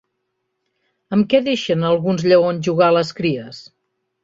Amb què deixen alguns lleons jugar a les cries?